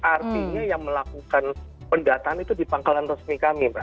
artinya yang melakukan pendataan itu di pangkalan resmi kami